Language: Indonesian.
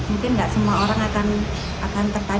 mungkin nggak semua orang akan tertarik